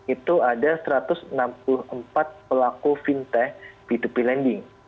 itu ada satu ratus enam puluh empat pelaku fintech p dua p lending